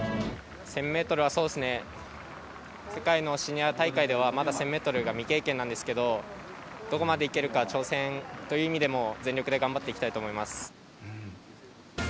１０００ｍは世界のシニア大会ではまだ１０００ｍが未経験なんですけどどこまでいけるか挑戦という意味でも全力で頑張っていきたいと思います。